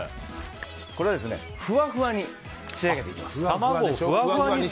これはふわふわに仕上げていきます。